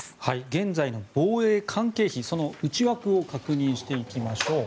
現在の防衛関係費その内訳を確認します。